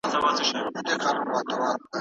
کندهار مي زړه دئ.